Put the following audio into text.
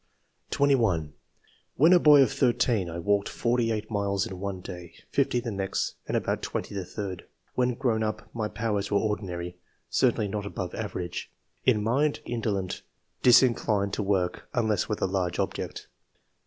/ 88 ENGLISH MEN OF SCIENCE. [chap. 21. '^ When a boy of thirteen I walked forty eight miles in one day, fifty the next, and about twenty the third ; when grown up, my powers were ordinary, certainly not above the average. In mind — Naturally indolent ; disincliQed to work unless with a large object.